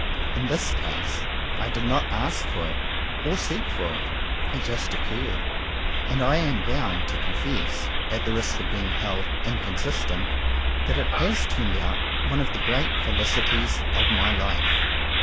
In this case I did not ask for it, or seek for it. It just occurred. And I am bound to con fess, at the risk of being held inconsistent, that it has turned out one of the great felicities of my life.